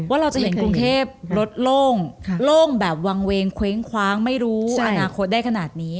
ว่าเราจะเห็นกรุงเทพรถโล่งโล่งแบบวางเวงเคว้งคว้างไม่รู้อนาคตได้ขนาดนี้